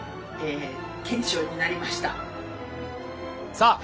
さあ